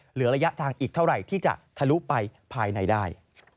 เหลือระยะทางอีกเท่าไหร่ที่จะทะลุไปภายในได้